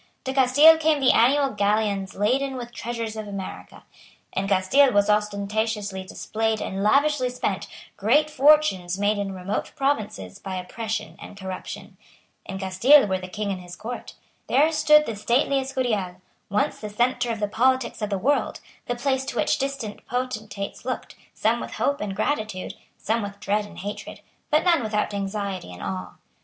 To Castile came the annual galleons laden with the treasures of America. In Castile was ostentatiously displayed and lavishly spent great fortunes made in remote provinces by oppression and corruption. In Castile were the King and his Court. There stood the stately Escurial, once the centre of the politics of the world, the place to which distant potentates looked, some with hope and gratitude, some with dread and hatred, but none without anxiety and awe.